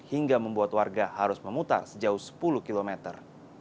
hingga membuat warga harus memutar sejauh sepuluh kilometer